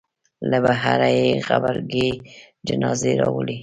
له بهره یې غبرګې جنازې راوړې.